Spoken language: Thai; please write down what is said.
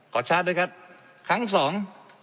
ชาร์จด้วยครับครั้งสอง